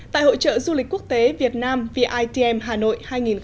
tại hội trợ du lịch quốc tế việt nam vitm hà nội hai nghìn một mươi bảy